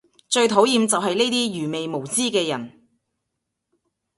最討厭就係呢啲愚昧無知嘅人